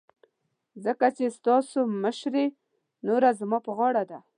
ځکه چې ستاسو مشرې نوره زما په غاړه ده.